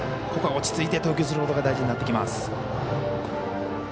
ここは落ち着いて投球することが大事になってきます。